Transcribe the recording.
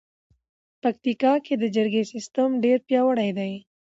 پکتیکا کې د جرګې سیستم ډېر پیاوړی دی.